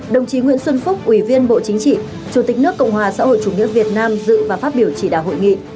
đồng chí nguyễn xuân phúc ủy viên bộ chính trị chủ tịch nước cộng hòa xã hội chủ nghĩa việt nam dự và phát biểu chỉ đạo hội nghị